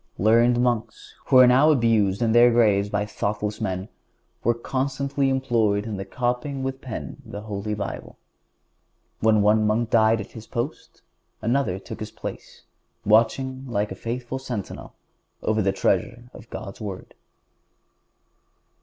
Learned monks, who are now abused in their graves by thoughtless men, were constantly employed in copying with the pen the Holy Bible. When one monk died at his post another took his place, watching like a faithful sentinel over the treasure of God's Word.